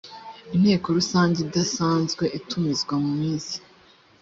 inteko rusange idasanzwe itumizwa mu minsi